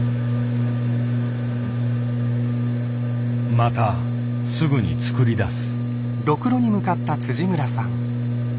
またすぐに作り出す。